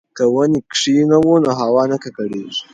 که ونې کښېنوو نو هوا نه ککړیږي.